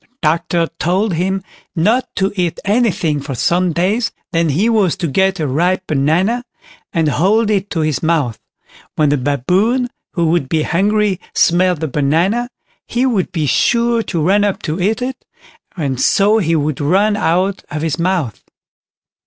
The doctor told him not to eat anything for some days, then he was to get a ripe banana, and hold it to his mouth; when the Baboon, who would be hungry, smelt the banana, he would be sure to run up to eat it, and so he would run out of his mouth.